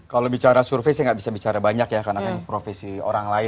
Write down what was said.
kalau bicara survei saya nggak bisa bicara banyak ya karena kan profesi orang lain